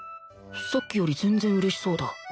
さっきより全然嬉しそうだ